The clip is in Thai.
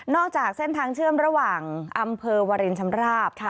จากเส้นทางเชื่อมระหว่างอำเภอวารินชำราบ